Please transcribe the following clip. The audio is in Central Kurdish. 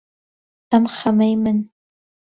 ئەم خەمەی من